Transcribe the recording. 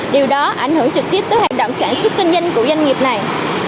điều đó ảnh hưởng trực tiếp tới hoạt động sản xuất kinh doanh của doanh nghiệp này